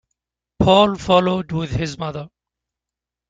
Paul followed with his mother.